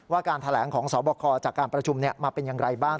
การแถลงของสบคจากการประชุมมาเป็นอย่างไรบ้าง